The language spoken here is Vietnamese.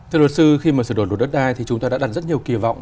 thưa luật sư khi mà sửa đổi luật đất đai thì chúng ta đã đặt rất nhiều kỳ vọng